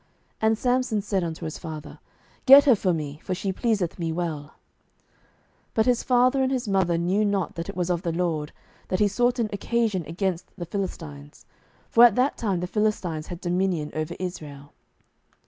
And Samson said unto his father, Get her for me; for she pleaseth me well. 07:014:004 But his father and his mother knew not that it was of the LORD, that he sought an occasion against the Philistines: for at that time the Philistines had dominion over Israel.